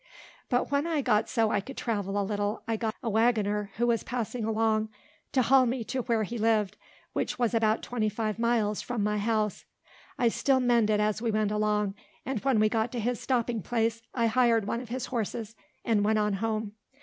But when I got so I could travel a little, I got a waggoner who was passing along to hawl me to where he lived, which was about twenty miles from my house. I still mended as we went along, and when we got to his stopping place, I hired one of his horses, and went on home.